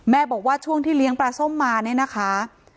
บอกว่าช่วงที่เลี้ยงปลาส้มมาเนี่ยนะคะ